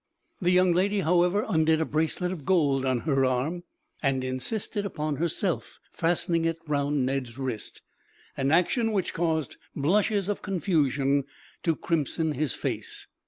The young lady, however, undid a bracelet of gold on her arm, and insisted upon herself fastening it round Ned's wrist, an action which caused blushes of confusion to crimson his face.